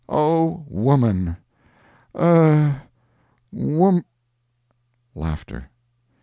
O woman! er Wom " [Laughter.